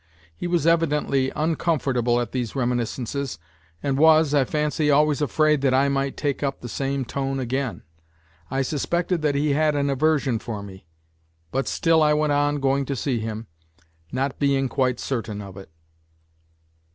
He was evidently uncomfortable at these reminiscences, and was, I fancy, always afraid that I might take up the same tone again. I suspected that he had an aversion for me, but still I went on going to see him, not being quite certain of it.